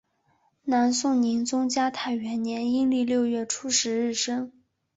南宋宁宗嘉泰元年阴历六月初十日生。